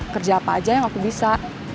kerja apa aja yang aku bisa